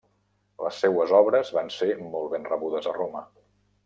Les seues obres van ser molt ben rebudes a Roma.